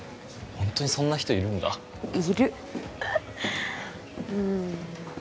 ホントにそんな人いるんだいる